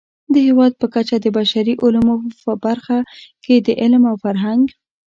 د هېواد په کچه د بشري علومو په برخه کې د علم او فرهنګ